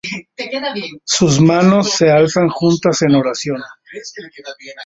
Sus manos se alzan juntas en oración.